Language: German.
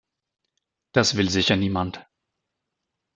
Das will sicher niemand.